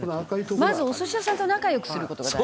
「まずお寿司屋さんと仲良くする事が大事」